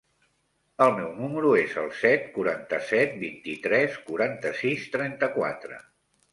El meu número es el set, quaranta-set, vint-i-tres, quaranta-sis, trenta-quatre.